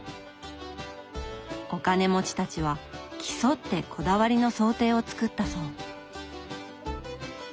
お金持ちたちは競ってこだわりの装丁を作ったそう。